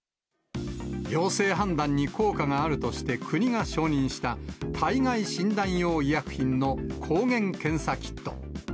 陽性判断に効果があるとして、国が承認した、体外診断用医薬品の抗原検査キット。